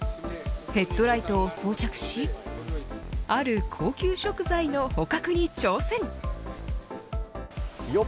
ヘッドライトを装着しある高級食材の捕獲に挑戦。